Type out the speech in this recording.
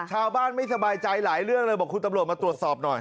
ชาวบ้านไม่สบายใจหลายเรื่องเลยบอกคุณตำรวจมาตรวจสอบหน่อย